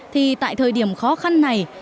thì tại thời điểm khó khăn này